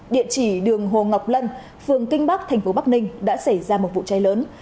địa chỉ đường hồ ngọc lân phường kinh bắc thành phố bắc ninh đã xảy ra một vụ cháy lớn